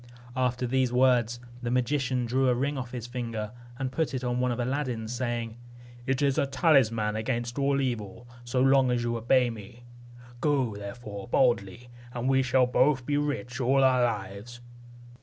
After these words the magician drew a ring off his finger, and put it on one of Aladdin's, saying, "It is a talisman against all evil, so long as you obey me. Go, therefore, boldly, and we shall both be rich all our lives."